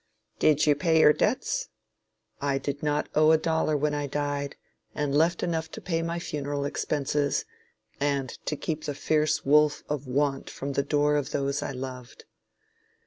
Did you pay your debts? I did not owe a dollar when I died, and left enough to pay my funeral expenses, and to keep the fierce wolf of want from the door of those I loved.